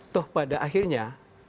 toh pada akhirnya